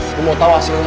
aku mau tau hasilnya